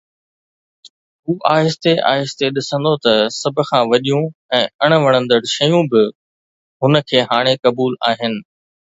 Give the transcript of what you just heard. هو آهستي آهستي ڏسندو ته سڀ کان وڏيون ۽ اڻ وڻندڙ شيون به هن کي هاڻي قبول آهن